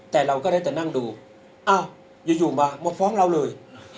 แต่เราก็ได้แต่นั่งดูอ้าวอยู่มามาฟ้องเราเลย